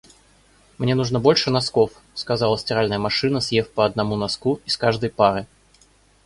«Мне нужно больше носков!» — сказала стиральная машина, съев по одному носку из каждой пары.